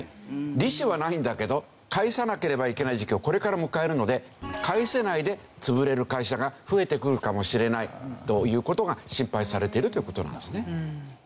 利子はないんだけど返さなければいけない時期をこれから迎えるので返せないで潰れる会社が増えてくるかもしれないという事が心配されてるという事なんですね。